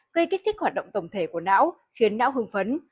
gây kích thích hoạt động tổng thể của não khiến não hưng phấn